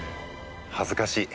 恥ずかしい。